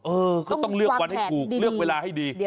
เออก็ต้องเลือกวันให้ถูกเลือกเวลาให้ดี